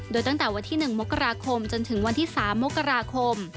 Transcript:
โดยตั้งแต่วันที่๑มกราคมจนถึงวันที่๓มกราคม